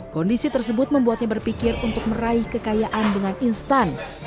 kondisi tersebut membuatnya berpikir untuk meraih kekayaan dengan instan